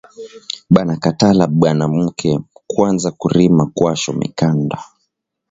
Banakatala banamuke kwanza kurima kwasho mikanda